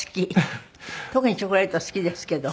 特にチョコレート好きですけど。